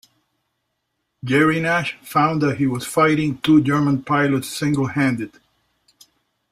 Gerry Nash found that he was fighting two German pilots single-handed.